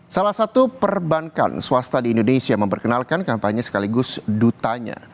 salah satu perbankan swasta di indonesia memperkenalkan kampanye sekaligus dutanya